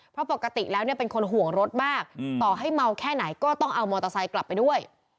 เพราะปกติแล้วเนี่ยเป็นคนห่วงรถมากต่อให้เมาแค่ไหนก็ต้องเอามอเตอร์ไซค์กลับไปด้วย